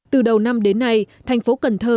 từ đầu năm đến nay thành phố cần thơ